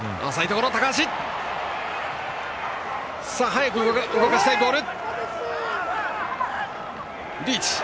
早く動かしたいボール。